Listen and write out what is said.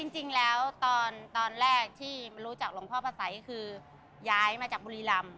จริงแล้วตอนแรกที่รู้จักหลวงพ่อพระสัยคือย้ายมาจากบุรีรำ